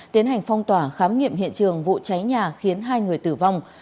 tiến hành phong tỏa khám nghiệm hiện trường vụ cháy nhà khiến hai người tử vong